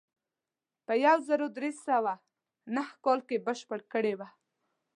په یو زر درې سوه نهه کال کې بشپړه کړې وه.